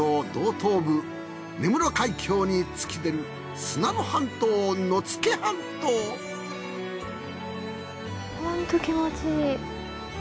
東部根室海峡に突き出る砂の半島野付半島ホント気持ちいい。